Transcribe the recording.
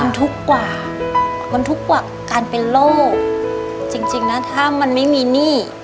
มันทุกข์กว่ามันทุกข์กว่าการเป็นโรคจริงจริงนะถ้ามันไม่มีหนี้